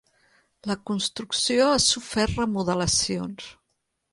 La construcció ha sofert remodelacions.